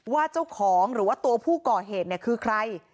ว่าเจ้าของหรือว่าตัวผู้ก่อเหตุเนี่ยคือใคร